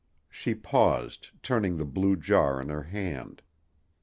She paused, turning the blue jar in her hand.